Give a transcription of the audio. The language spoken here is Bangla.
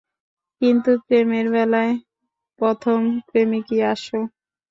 কিন্তু প্রেমের বেলায় প্রথম প্রেমিকই আসল।